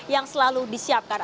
yang selalu disiapkan